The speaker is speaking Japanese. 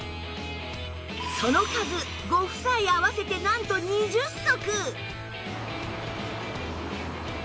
その数ご夫妻合わせてなんと２０足！